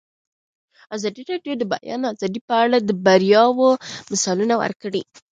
ازادي راډیو د د بیان آزادي په اړه د بریاوو مثالونه ورکړي.